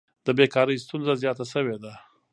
د بیکارۍ ستونزه زیاته شوې ده.